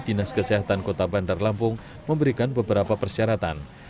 dinas kesehatan kota bandar lampung memberikan beberapa persyaratan